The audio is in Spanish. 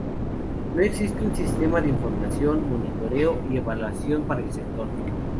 No existe un sistema de información, monitoreo y evaluación para el sector.